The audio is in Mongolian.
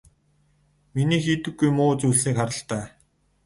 Миний хийдэггүй муу зүйлсийг хар л даа.